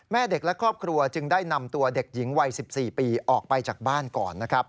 เด็กและครอบครัวจึงได้นำตัวเด็กหญิงวัย๑๔ปีออกไปจากบ้านก่อนนะครับ